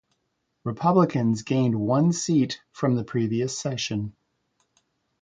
Republicans gained one seat from the previous session.